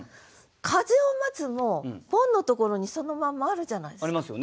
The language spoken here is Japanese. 「風を待つ」もボンのところにそのまんまあるじゃないですか。